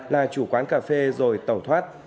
là chủ quán cà phê rồi tẩu thoát